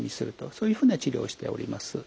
そういうふうな治療をしております。